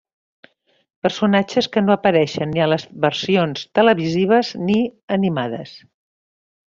Personatges que no apareixen ni a les versions televisives ni animades.